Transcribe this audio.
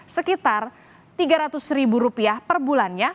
sekitar tiga ratus ribu rupiah per bulannya